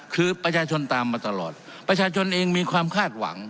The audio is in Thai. คือประชาชนตามมาตลอดประชาชนเองมีความคาดหวัง